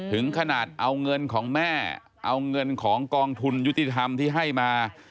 ถึงขนาดเอาเงินของแม่เอาเงินของกองทุนยุติธรรมที่ให้มา